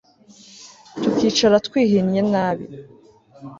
tukicara twihinye nabi